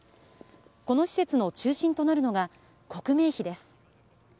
この施設の中心となるのが刻銘碑です。